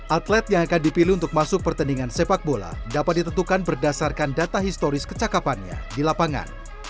atlet yang akan dipilih untuk masuk pertandingan sepak bola dapat ditentukan berdasarkan data historis kecakapannya di lapangan